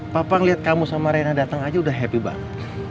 papa ngeliat kamu sama rena datang aja udah happy banget